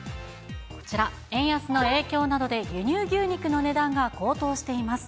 こちら、円安の影響などで輸入牛肉の値段が高騰しています。